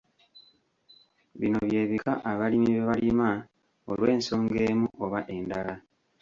Bino bye bika abalimi bye balima olw’ensonga emu oba endala.